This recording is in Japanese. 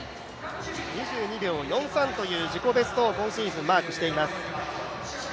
２２秒４３という自己ベストを、今シーズンマークしています。